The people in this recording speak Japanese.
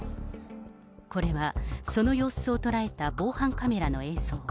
これは、その様子を捉えた防犯カメラの映像。